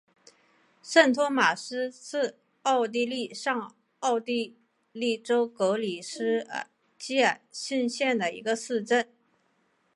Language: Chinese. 圣托马斯是奥地利上奥地利州格里斯基尔兴县的一个市镇。